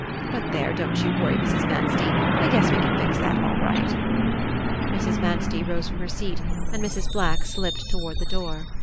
But there, don't you worry, Mrs. Manstey. I guess we can fix that all right." Mrs. Manstey rose from her seat, and Mrs. Black slipped toward the door.